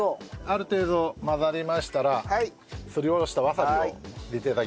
ある程度混ざりましたらすりおろしたわさびを入れて頂きます。